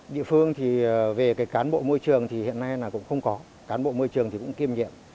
địa phương thì về cái cán bộ môi trường thì hiện nay là cũng không có cán bộ môi trường thì cũng kiêm nhiệm